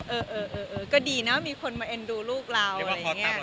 เออก็ดีนะมีคนมาเอ็นดูลูกเราอะไรอย่างนี้